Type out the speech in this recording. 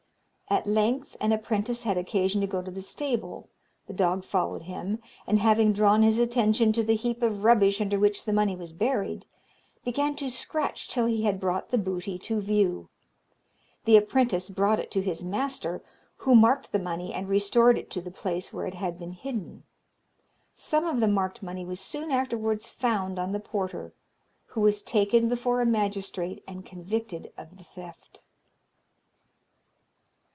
At length, an apprentice had occasion to go to the stable; the dog followed him, and having drawn his attention to the heap of rubbish under which the money was buried, began to scratch till he had brought the booty to view. The apprentice brought it to his master, who marked the money and restored it to the place where it had been hidden. Some of the marked money was soon afterwards found on the porter, who was taken before a magistrate, and convicted of the theft.